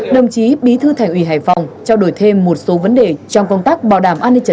đồng chí bí thư thành ủy hải phòng trao đổi thêm một số vấn đề trong công tác bảo đảm an ninh trật tự